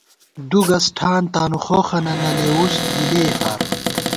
دُو گز ٹھان تانُو خوخَنہ نہ لېوُس دِلّی ئےفار